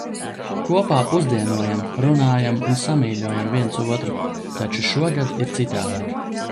Kopā pusdienojam, runājam un samīļojam viens otru. Taču šogad ir citādāk.